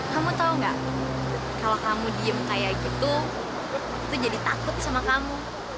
kamu tau gak kalau kamu diem kayak gitu aku jadi takut sama kamu